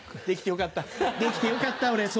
できてよかったできてよかった俺。